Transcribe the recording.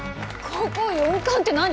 高校４冠って何！？